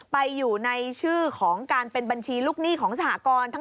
ไปอยู่ในชื่อของการเป็นบัญชีลูกหนี้ของสหกร